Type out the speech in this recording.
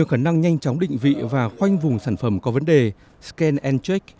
các khả năng nhanh chóng định vị và khoanh vùng sản phẩm có vấn đề scan check